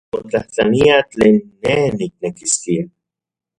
Nimotlajtlania tlen ne niknekiskia.